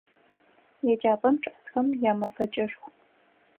Еджапӏэм чӏэсхэм ямэфэкӏышху.